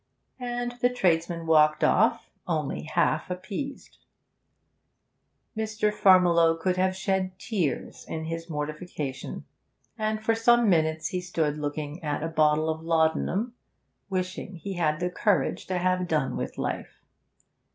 And the tradesman walked off, only half appeased. Mr. Farmiloe could have shed tears in his mortification, and for some minutes he stood looking at a bottle of laudanum, wishing he had the courage to have done with life.